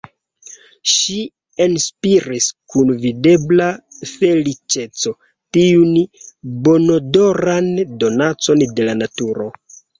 Ŝi enspiris kun videbla feliĉeco tiun bonodoran donacon de la naturo.